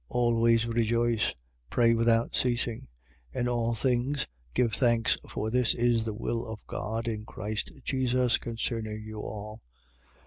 5:16. Always rejoice. 5:17. Pray without ceasing. 5:18. In all things give thanks for this is the will of God in Christ Jesus concerning you all.